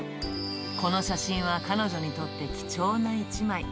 この写真は彼女にとって貴重な一枚。